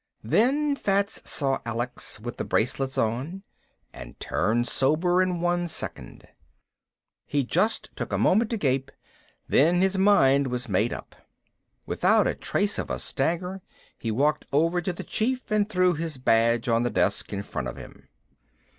Then Fats saw Alex with the bracelets on and turned sober in one second. He just took a moment to gape, then his mind was made up. Without a trace of a stagger he walked over to the Chief and threw his badge on the desk in front of him.